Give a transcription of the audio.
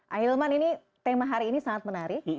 ahilman ini tema hari ini sangat menarik